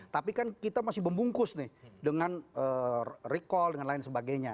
tapi kan kita masih membungkus nih dengan recall dan lain sebagainya